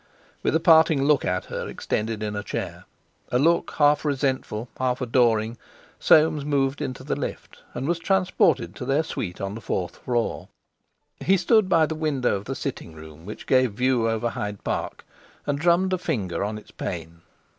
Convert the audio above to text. With a parting look at her extended in a chair—a look half resentful, half adoring—Soames moved into the lift and was transported to their suite on the fourth floor. He stood by the window of the sitting room which gave view over Hyde Park, and drummed a finger on its pane.